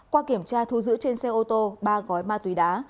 qua kiểm tra thu giữ trên xe ô tô ba gói ma túy đá